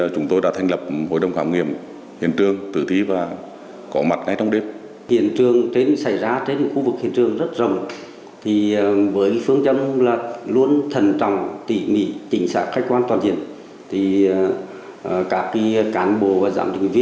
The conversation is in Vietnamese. chúng tôi đã thành lập chuyên án g bảy trăm một mươi năm để tập trung tối đa lực lượng sử dụng đồng mọi biện pháp nguyên vụ để đấu tranh làm rõ